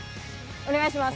お願いします。